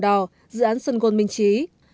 dự án sơn gôn minh chí